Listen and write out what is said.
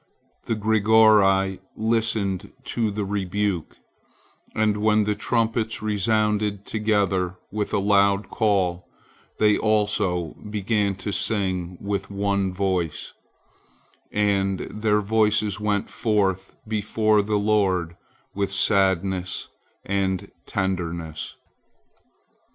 The Grigori listened to the rebuke, and when the trumpets resounded together with a loud call, they also began to sing with one voice, and their voices went forth before the Lord with sadness and tenderness.